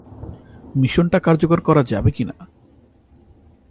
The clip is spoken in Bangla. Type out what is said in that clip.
মিশনটা কার্যকর করা যাবে কি না?